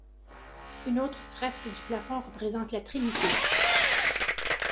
Une autre fresque du plafond représente la Trinité.